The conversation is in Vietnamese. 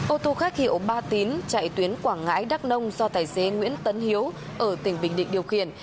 ô tô khách hiệu ba tín chạy tuyến quảng ngãi đắk nông do tài xế nguyễn tấn hiếu ở tỉnh bình định điều khiển